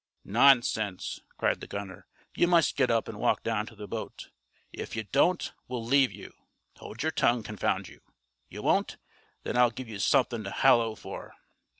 "Nonsense!" cried the gunner, "you must get up and walk down to the boat; if you don't, we'll leave you. Hold your tongue, confound you! You won't? Then I'll give you something to halloo for."